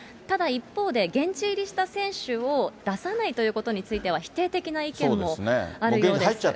ただ一方で、現地入りした選手を出さないということについては否定的な意見もあるようです。